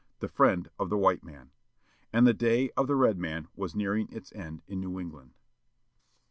â the friend of the white man. And the day of the red man was J^^j \[^/ nearing its end in New England.